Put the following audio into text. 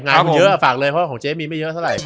งานคุณเยอะฝากเลยเพราะของเจ๊มีไม่เยอะซะไหร่